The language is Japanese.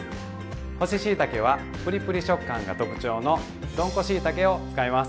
干ししいたけはプリプリ食感が特徴のどんこしいたけを使います。